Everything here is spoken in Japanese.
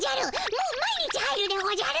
もう毎日入るでおじゃる。